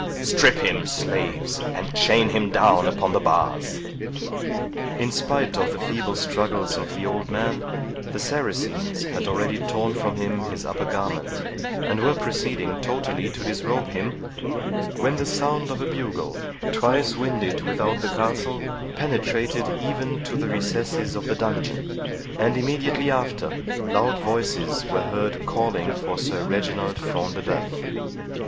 —Strip him, slaves, and chain him down upon the bars." In spite of the feeble struggles of the old man, the Saracens had already torn from him his upper garment, and were proceeding totally to disrobe him, when the sound of a bugle, twice winded without the castle, penetrated even to the recesses of the dungeon, and immediately after loud voices were heard calling for Sir Reginald Front de Bœuf.